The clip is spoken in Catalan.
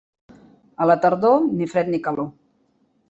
A la tardor, ni fred ni calor.